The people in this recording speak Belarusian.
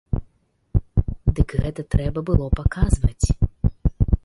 Дык гэта трэба было паказваць.